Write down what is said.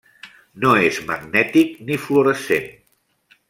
No és magnètic ni fluorescent.